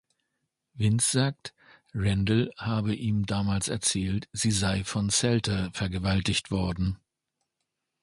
Vince sagt, Randall habe ihm damals erzählt, sie sei von Salter vergewaltigt worden.